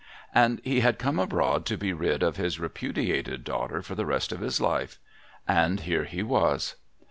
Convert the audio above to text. And he had come abroad to be rid of his repudiated daughter for the rest of his life. And here he was.